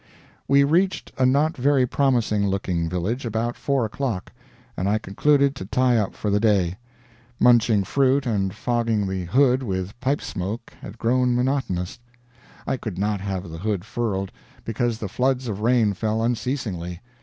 ".... We reached a not very promising looking village about 4 o'clock, and I concluded to tie up for the day; munching fruit and fogging the hood with pipe smoke had grown monotonous; I could not have the hood furled, because the floods of rain fell unceasingly.